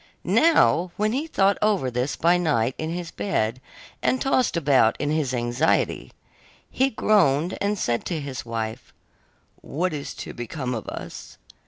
Now when he thought over this by night in his bed, and tossed about in his anxiety, he groaned and said to his wife: 'What is to become of us?